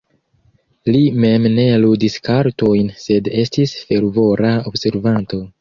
Li mem ne ludis kartojn, sed estis fervora observanto.